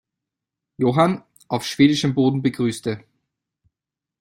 Johann, auf schwedischem Boden begrüßte.